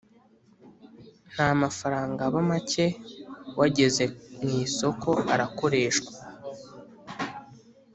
Ntamafaranga aba macye wageze mu isoko arakoreshwa